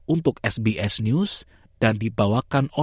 untuk sbs news dan di wsj com